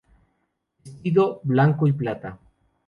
Vestido: Blanco y plata.